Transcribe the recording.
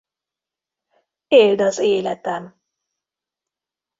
Éld az életem!